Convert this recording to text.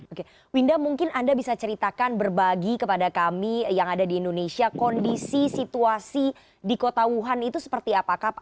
oke winda mungkin anda bisa ceritakan berbagi kepada kami yang ada di indonesia kondisi situasi di kota wuhan itu seperti apa